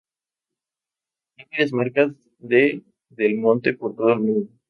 Hay varias marcas de Del Monte por todo el mundo.